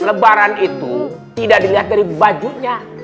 lebaran itu tidak dilihat dari bajunya